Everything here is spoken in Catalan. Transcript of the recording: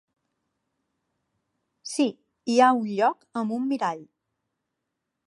Sí, hi ha un lloc amb un mirall.